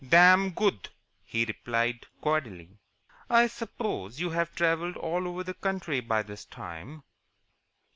"Dam good," he replied, cordially. "I suppose you have travelled all over the country by this time?"